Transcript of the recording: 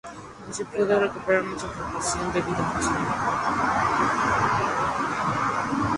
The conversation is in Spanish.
No se puede recuperar mucha información de su vida personal.